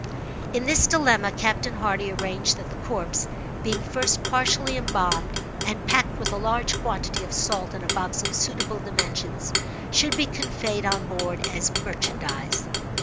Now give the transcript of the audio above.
In this dilemma, Captain Hardy arranged that the corpse, being first partially embalmed, and packed, with a large quantity of salt, in a box of suitable dimensions, should be conveyed on board as merchandise.